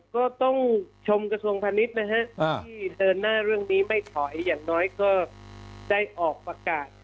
ก็ต้องชมกระทั่วงพนิษฐ์นะครับที่เชิญหน้าเรื่องไม่ถอยอย่างน้อยก็ได้ออกประกาศ